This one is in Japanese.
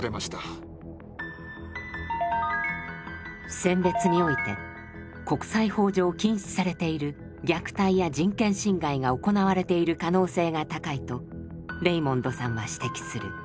選別において国際法上禁止されている虐待や人権侵害が行われている可能性が高いとレイモンドさんは指摘する。